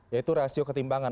yaitu rasio ketimbangan